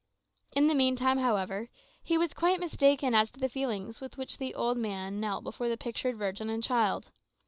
In the meantime, however, he was quite mistaken as to the feelings with which the old man knelt before the pictured Virgin and Child.